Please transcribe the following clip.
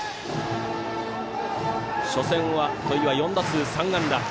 初戦は戸井は４打数３安打。